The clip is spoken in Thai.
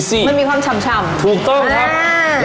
มันมีความฉ่ำถูกต้องครับ